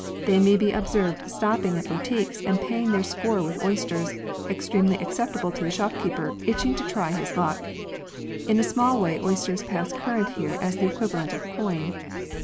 They may be observed stopping at boutiques and paying their score with oysters, ex tremely acceptable to the shopkeeper itching to try his luck. In a small way oysters pass current here as the equivalent of coin.